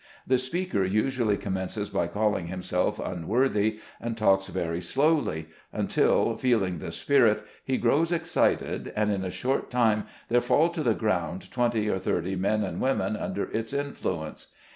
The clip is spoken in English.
The speaker usually commences by calling himself unworthy, and talks very slowly, until, feeling the spirit, he grows excited, and in a short time, there fall to the ground twenty or thirty men and women under its influence.